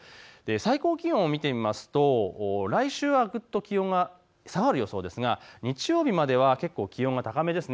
最高気温、見てみますと来週はぐっと気温が下がる予想ですが日曜日までは結構気温が高めです。